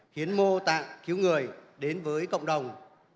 hiến mô tạng cứu người đến với cộng đồng